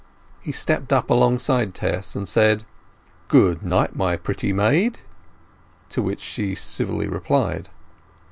He stepped up alongside Tess and said— "Good night, my pretty maid": to which she civilly replied.